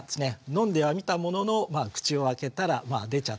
飲んではみたものの口を開けたら出ちゃった。